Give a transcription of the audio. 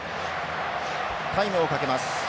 タイムをかけます。